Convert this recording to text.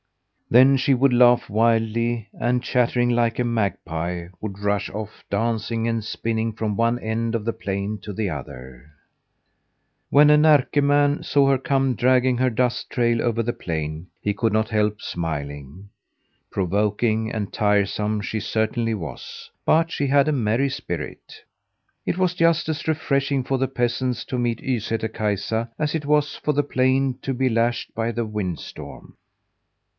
Then she would laugh wildly and, chattering like a magpie, would rush off, dancing and spinning from one end of the plain to the other. When a Närke man saw her come dragging her dust trail over the plain, he could not help smiling. Provoking and tiresome she certainly was, but she had a merry spirit. It was just as refreshing for the peasants to meet Ysätter Kaisa as it was for the plain to be lashed by the windstorm.